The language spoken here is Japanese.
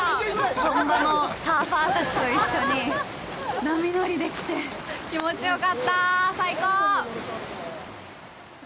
本場のサーファーたちと一緒に波乗りできて気持ちよかった最高！